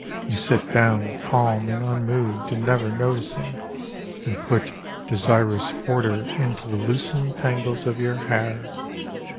You sit down, calm and unmoved and never noticing. And put desirous order into the loosened tangles of your hair.